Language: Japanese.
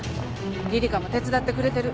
リリカも手伝ってくれてる。